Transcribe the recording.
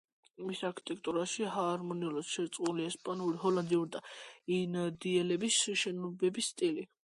მის არქიტექტურაში ჰარმონიულადაა შერწყმული ესპანური, ჰოლანდიური და ინდიელების შენობების სტილი.